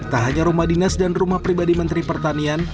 tak hanya rumah dinas dan rumah pribadi menteri pertanian